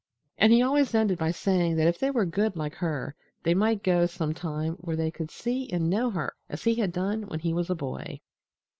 And he always ended by saying that if they were good like her they might go some time where they could see and know her as he had done when he was a boy.